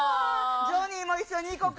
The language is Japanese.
ジョニーも一緒に行こうか。